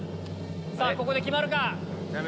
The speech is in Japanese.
ここで決まるか？